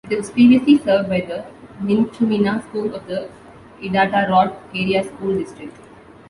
It was previously served by the Minchumina School of the Iditarod Area School District.